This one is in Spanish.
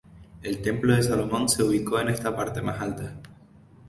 El Templo de Salomón se ubicó en esta parte, más alta.